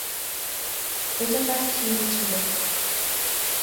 এটা তার থিওরি ছিল।